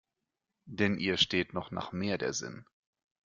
Denn ihr steht noch nach mehr der Sinn.